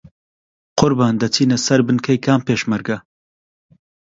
قوربان دەچینە سەر بنکەی کام پێشمەرگە؟